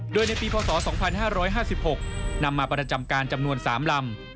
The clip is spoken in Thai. โดยในปีพศ๒๕๕๖นำมาประจำการจำนวน๓ลำ